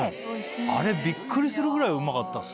あれびっくりするぐらいうまかったっす。